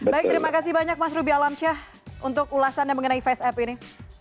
baik terima kasih banyak mas ruby alamsyah untuk ulasan mengenai faceapp ini